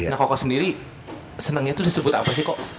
nah koko sendiri senangnya itu disebut apa sih kok